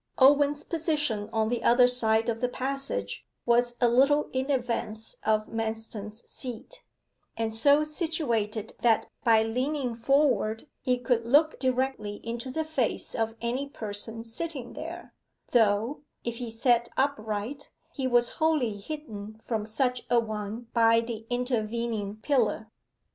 Owen's position on the other side of the passage was a little in advance of Manston's seat, and so situated that by leaning forward he could look directly into the face of any person sitting there, though, if he sat upright, he was wholly hidden from such a one by the intervening pillar.